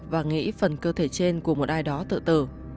và nghĩ phần cơ thể trên của một ai đó tự tử